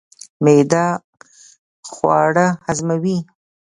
معده خواړه هضموي.